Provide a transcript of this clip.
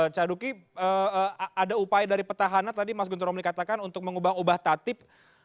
c duki ada upaya dari petahana tadi mas guntur romli katakan untuk mengubah ubah tatib